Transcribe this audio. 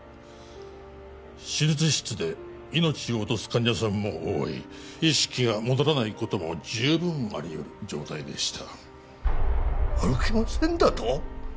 手術室で命を落とす患者さんも多い意識が戻らないことも十分ありうる状態でした歩けませんだと？